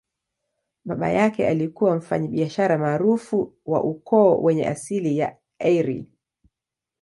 Baba yake alikuwa mfanyabiashara maarufu wa ukoo wenye asili ya Eire.